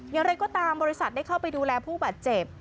อย่างไรก็ตามบริษัทได้เข้าไปดูแลผู้บาดเจ็บ